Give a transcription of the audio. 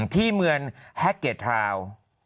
ที่เมืองแฮล์เกตราว